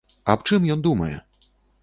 Аб чым ён думае?